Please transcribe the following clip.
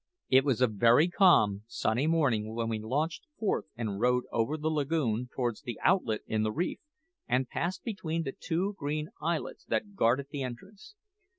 It was a very calm, sunny morning when we launched forth and rowed over the lagoon towards the outlet in the reef, and passed between the two green islets that guarded the entrance.